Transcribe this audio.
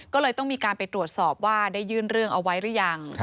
ก็เลยต้องมีการไปตรวจสอบว่าได้ยื่นเรื่องเอาไว้หรือยัง